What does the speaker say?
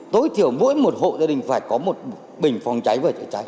tối thiểu mỗi một hội gia đình phải có một bình phòng cháy và cháy cháy